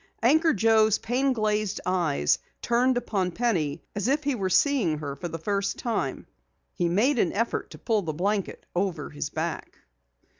Anchor Joe's pain glazed eyes turned upon Penny as if he were seeing her for the first time. He made an effort to pull the blanket over his back.